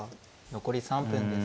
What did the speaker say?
残り３分です。